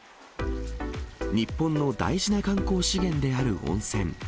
日本の大事な観光資源である温泉。